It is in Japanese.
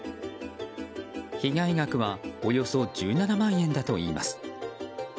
被害額はおよそ１７万円だといいます。